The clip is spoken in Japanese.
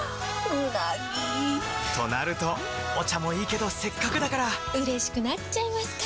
うなぎ！となるとお茶もいいけどせっかくだからうれしくなっちゃいますか！